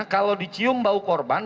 kalau dicium bau korban